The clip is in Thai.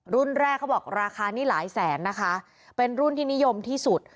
รุ่นแรกเขาบอกราคานี้หลายแสนนะคะเป็นรุ่นที่นิยมที่สุด